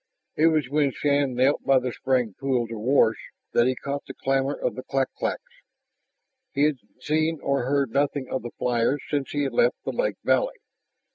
It was when Shann knelt by the spring pool to wash that he caught the clamor of the clak claks. He had seen or heard nothing of the flyers since he had left the lake valley.